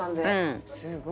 すごい。